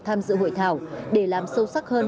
tham dự hội thảo để làm sâu sắc hơn